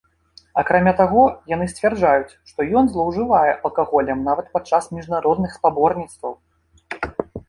Акрамя таго, яны сцвярджаюць, што ён злоўжывае алкаголем нават падчас міжнародных спаборніцтваў.